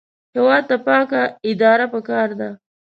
هېواد ته پاکه اداره پکار ده